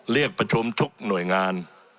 เรียกประชุมทุกหน่วยงาน